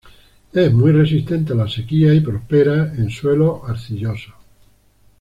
Es muy resistente a la sequía y prospera en suelos arcillosos.